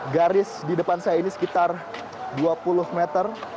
garis di depan saya ini sekitar dua puluh meter